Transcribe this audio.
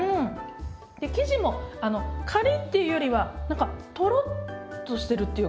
生地もあのカリッていうよりは何かトロッとしてるっていうか。